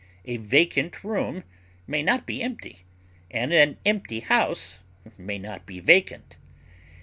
A vacant room may not be empty, and an empty house may not be vacant.